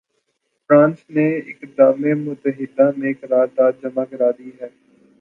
France نے اقدام متحدہ میں قرارداد جمع کرا دی ہے۔